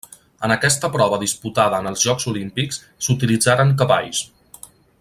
En aquesta prova disputada en els Jocs Olímpics s'utilitzaren cavalls.